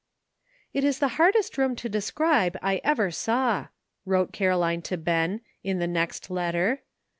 "It is the hardest room to describe I ever saw,'* wrote Caroline to Ben, in the next letter.